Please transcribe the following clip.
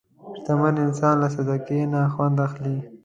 شتمن انسان له صدقې نه خوند اخلي.